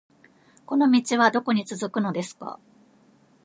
この道はどこに続くのですか